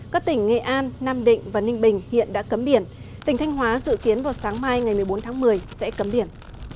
các tỉnh nghệ an nam định và ninh bình hiện đã cấm biển tỉnh thanh hóa dự kiến vào sáng mai ngày một mươi bốn tháng một mươi sẽ cấm biển